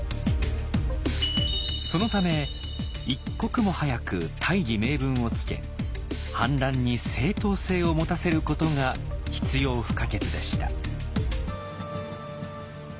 そのため一刻も早く大義名分をつけ反乱に正当性を持たせることが必要不可欠でした。